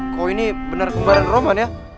kok ini bener kembaran roman ya